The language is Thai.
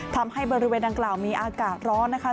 ทำให้บริเวณดังกล่าวมีอากาศร้อนนะคะ